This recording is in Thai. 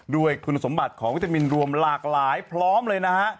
ด้วยคุณสมบัติของวิตามินรวมหลากหลายพร้อมเลยนะฮะ